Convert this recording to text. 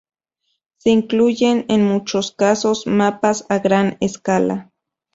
Se incluyen en muchos casos mapas a gran escala.